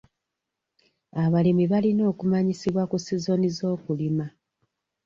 Abalimi balina okumanyisibwa ku sizoni z'okulima.